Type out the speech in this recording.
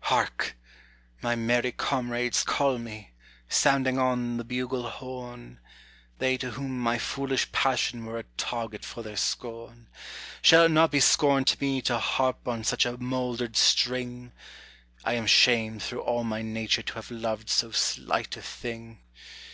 Hark! my merry comrades call me, sounding on the bugle horn, They to whom my foolish passion were a target for their scorn; Shall it not be scorn to me to harp on such a mouldered string? I am shamed through all my nature to have loved so slight a thing.